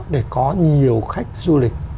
để có nhiều khách du lịch